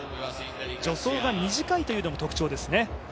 助走が短いというのも特徴ですね。